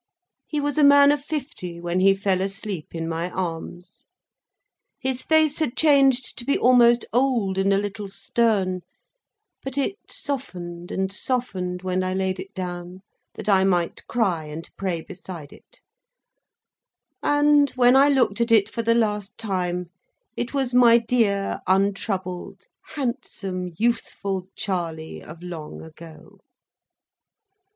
He was a man of fifty, when he fell asleep in my arms. His face had changed to be almost old and a little stern; but, it softened, and softened when I laid it down that I might cry and pray beside it; and, when I looked at it for the last time, it was my dear, untroubled, handsome, youthful Charley of long ago.